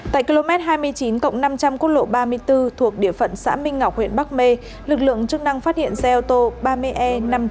tại km hai mươi chín năm trăm linh quốc lộ ba mươi bốn thuộc địa phận xã minh ngọc huyện bắc mê lực lượng chức năng phát hiện xe ô tô ba mươi e năm mươi chín nghìn hai trăm ba mươi chín